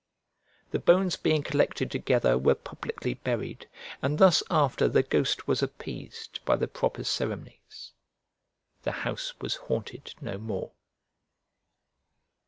The bones being collected together were publicly buried, and thus after the ghost was appeased by the proper ceremonies, the house was haunted no more.